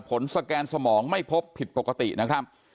สแกนสมองไม่พบผิดปกตินะครับ